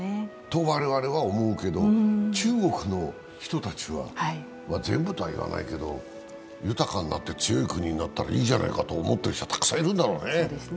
と我々は思うけど中国の人たちは全部とは言わないけど、豊かになって強い国になったらいいじゃないかと思ってる人はたくさんいるんだろうね。